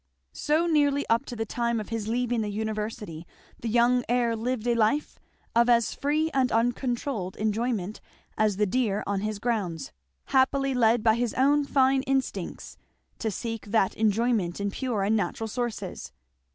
So nearly up to the time of his leaving the University the young heir lived a life of as free and uncontrolled enjoyment as the deer on his grounds, happily led by his own fine instincts to seek that enjoyment in pure and natural sources.